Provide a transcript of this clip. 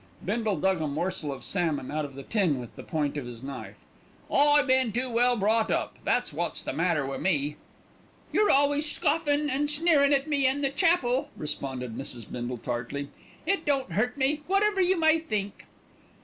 Bindle dug a morsel of salmon out of the tin with the point of his knife. "I been too well brought up, that's wot's the matter wi' me." "You're always scoffin' and sneerin' at me an' the chapel," responded Mrs. Bindle tartly. "It don't hurt me, whatever you may think."